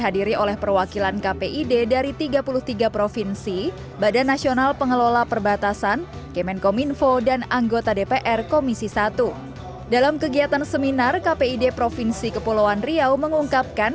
dalam kegiatan seminar kpid provinsi kepulauan riau mengungkapkan